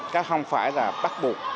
cái không phải là bác buộc